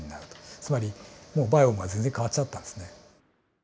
つまりもうバイオームが全然変わっちゃったんですね。